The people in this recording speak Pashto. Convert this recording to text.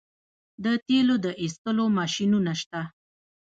د تیلو د ایستلو ماشینونه شته.